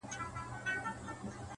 پر زود رنجۍ باندي مي داغ د دوزخونو وهم؛